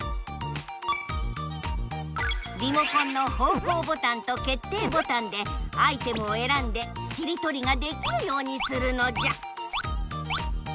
リモコンの方向ボタンと決定ボタンでアイテムをえらんでしりとりができるようにするのじゃ！